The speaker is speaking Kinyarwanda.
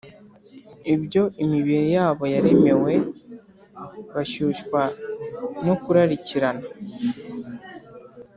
ibyo imibiri yabo yaremewe, bashyushywa no kurarikirana.